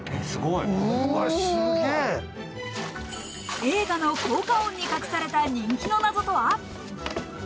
映画の効果音に隠された人気のナゾとは？